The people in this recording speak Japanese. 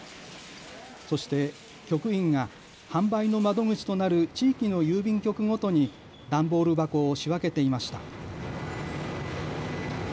そして局員が販売の窓口となる地域の郵便局ごとに段ボール箱を仕分けていました。